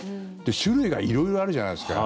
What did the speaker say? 種類が色々あるじゃないですか。